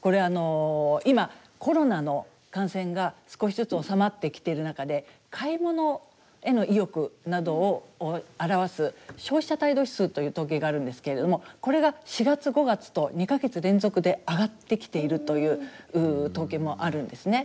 これあの今コロナの感染が少しずつ収まってきている中で買い物への意欲などを表す消費者態度指数という統計があるんですけれどもこれが４月５月と２か月連続で上がってきているという統計もあるんですね。